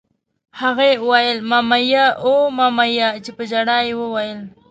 هغه یې ویل: مامیا! اوه ماما میا! چې په ژړا یې وویل.